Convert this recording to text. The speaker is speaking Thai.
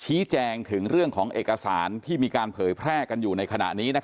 ชี้แจงถึงเรื่องของเอกสารที่มีการเผยแพร่กันอยู่ในขณะนี้